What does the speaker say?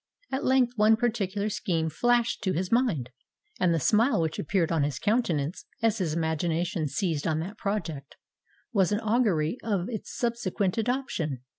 At length one particular scheme flashed to his mind; and the smile which appeared on his countenance, as his imagination seized on that project, was an augury of its subsequent adoption.